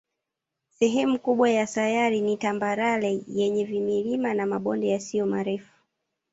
Sehemu kubwa ya sayari ni tambarare yenye vilima na mabonde yasiyo marefu.